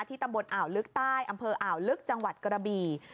ตำบลอ่าวลึกใต้อำเภออ่าวลึกจังหวัดกระบี่